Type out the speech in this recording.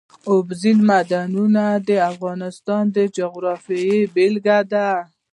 اوبزین معدنونه د افغانستان د جغرافیې بېلګه ده.